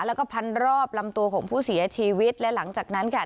แล้วก็พันรอบลำตัวของผู้เสียชีวิตและหลังจากนั้นค่ะ